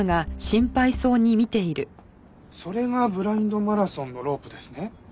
それがブラインドマラソンのロープですね？